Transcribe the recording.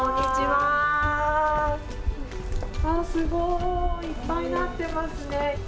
すごい、いっぱいなっていますね。